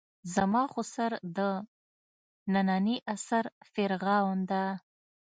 زما خُسر د نني عصر فرعون ده.